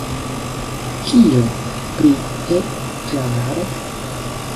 Kio pri E-klavaro?